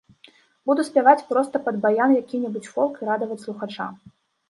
Буду спяваць проста пад баян які-небудзь фолк і радаваць слухача.